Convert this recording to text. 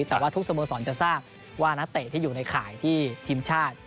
แต่ว่าทุกสโมสรจะทราบว่านักเตะที่อยู่ในข่ายที่ทีมชาติ